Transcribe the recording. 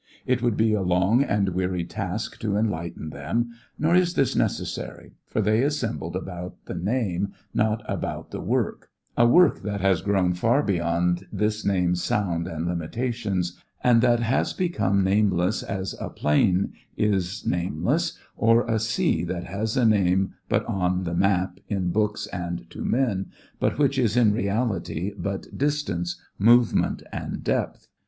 It would be a long and weary task to enlighten them; nor is this necessary, for they assembled about the name, not about the work, a work that has grown far beyond this name's sound and limitations, and that has become nameless as a plain is nameless or a sea that has a name but on the map, in books, and to men, but which is, in reality, but distance, movement and depth.